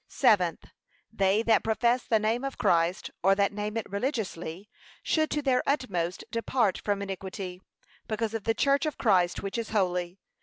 Seventh, They that profess the name of Christ, or that name it religiously, should to their utmost depart from iniquity, because of the church of Christ which is holy.